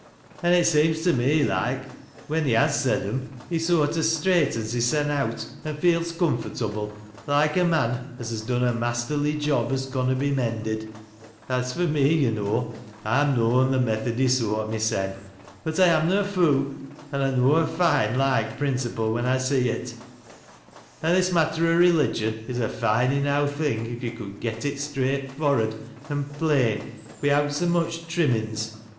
An' it seems to me loike, when he has said 'em, he soart o' straightens hissen out, an' feels comfortable, loike a mon as has done a ma&terly job as conna be mended. As fur me, yo' know, I'm noan the Methody soart mysen, but I am na a foo', an' I know a foine loike principle when I see it, an' this matter o' religion is a foine enow thing if yo' could gel it straightfor'ard an plain wi'out so much trimmins.